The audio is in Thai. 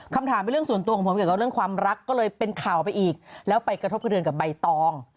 คำถามเป็นเรื่องส่วนตัวของผมเกี่ยวกับเรื่องความรักก็เลยเป็นข่าวไปอีกแล้วไปกระทบกระเทือนกับใบตอง